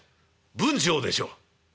文晁でしょう？」。